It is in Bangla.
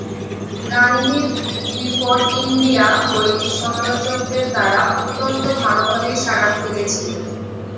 গান্ধী বিফোর ইন্ডিয়া বইটি সমালোচকদের দ্বারা অত্যন্ত ভালভাবেই সাড়া ফেলেছিল।